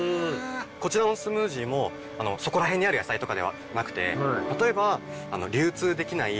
こちらのスムージーもそこら辺にある野菜とかではなくて例えば流通できない